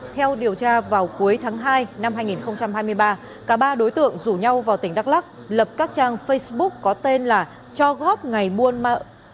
theo điều tra vào cuối tháng hai năm hai nghìn hai mươi ba cả ba đối tượng rủ nhau vào tỉnh đắk lắc lập các trang facebook có tên là cho góp ngày